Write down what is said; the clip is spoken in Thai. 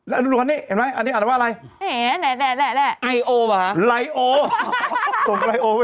อันนี้อันนี้อันว่าอะไร